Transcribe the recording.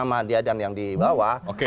mada dan yang di bawah